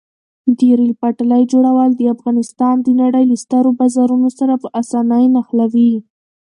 د ریل پټلۍ جوړول افغانستان د نړۍ له سترو بازارونو سره په اسانۍ نښلوي.